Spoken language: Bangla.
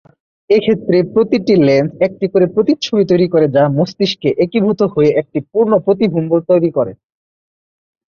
এক্ষেত্রে প্রতিটি লেন্স একটি করে প্রতিচ্ছবি তৈরি করে, যা মস্তিষ্কে একীভূত হয়ে একটি পূর্ণ প্রতিবিম্ব তৈরি করে।